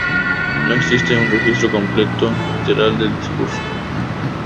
No existe un registro completo literal del discurso.